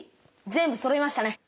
全部そろいましたね。